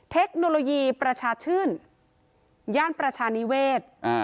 เทคโนโลยีประชาชื่นย่านประชานิเวศ